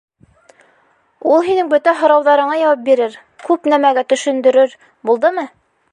Ул һинең бөтә һорауҙарыңа яуап бирер, күп нәмәгә төшөндөрөр, булдымы?